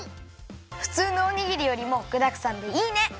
ふつうのおにぎりよりもぐだくさんでいいね！